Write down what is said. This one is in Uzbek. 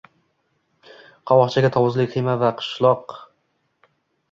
Qovoqchaga tovuqli qiyma va pishloq qo‘shib, mazali yegulik tayyorlaymiz